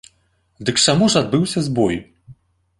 Дык чаму ж адбыўся збой?